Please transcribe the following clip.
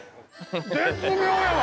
絶妙やわ！